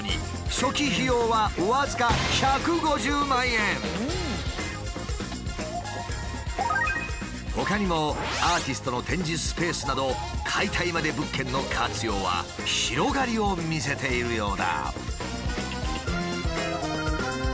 初期費用は僅かほかにもアーティストの展示スペースなど解体まで物件の活用は広がりを見せているようだ。